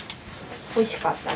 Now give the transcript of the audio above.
おいしかった？